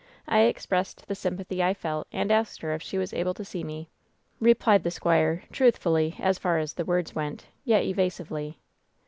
I expressed the sym pathy I felt, and asked her if she was able to see me," replied the squire, truthfully, as far as the words went, yet exasively.